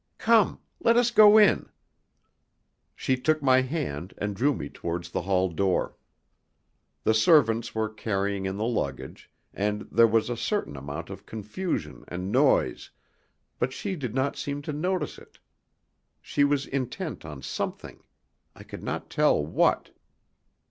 Come! Let us go in." She took my hand and drew me towards the hall door. The servants were carrying in the luggage, and there was a certain amount of confusion and noise, but she did not seem to notice it. She was intent on something; I could not tell what.